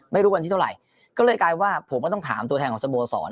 ไม่รู้วันที่เท่าไหร่ก็เลยกลายว่าผมก็ต้องถามตัวแทนของสโมสร